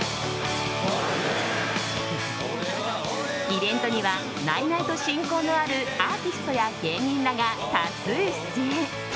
イベントにはナイナイと親交のあるアーティストや芸人らが多数出演。